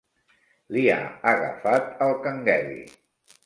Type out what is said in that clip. Li ha agafat el cangueli.